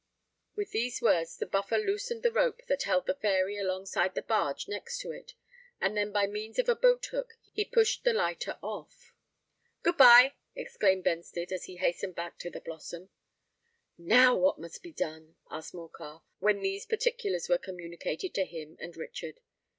With these words the Buffer loosened the rope that held the Fairy alongside the barge next to it; and then by means of a boat hook he pushed the lighter off. "Good bye," exclaimed Benstead; and he hastened back to the Blossom. "Now what must be done?" asked Morcar, when these particulars were communicated to him and Richard.